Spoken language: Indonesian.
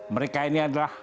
mereka ini adalah